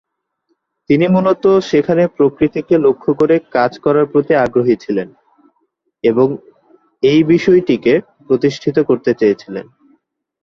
তিনি মুলত সেখানে প্রকৃতিকে লক্ষ্য করে কাজ করার প্রতি আগ্রহী ছিলেন, এবং এই বিষয়টিকে প্রতিষ্ঠিত করতে চেয়েছিলেন।